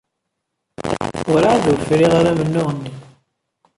Werɛad ur friɣ ara amennuɣ-nni.